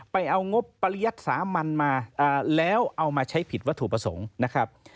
ไปเอางบปริยัติสามัญมาแล้วเอามาใช้ผิดวัตถุประสงค์นะครับ